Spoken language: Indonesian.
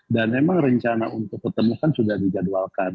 dan memang rencana untuk pertemuan sudah dijadwalkan